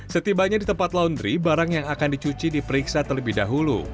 setibanya di tempat laundry barang yang akan dicuci diperiksa terlebih dahulu